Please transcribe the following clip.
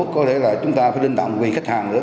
có thể là chúng ta phải đinh tạo một vị khách hàng nữa